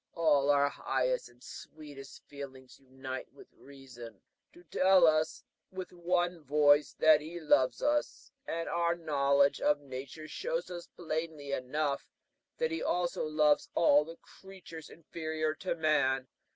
All our highest and sweetest feelings unite with reason to tell us with one voice that he loves us; and our knowledge of nature shows us plainly enough that he also loves all the creatures inferior to man.